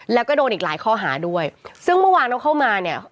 แล้วก็โดนอีกหลายข้อหาด้วยซึ่งเมื่อวานต้องเข้ามาเนี่ย